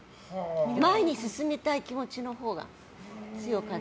前に進みたい気持ちのほうが強かった。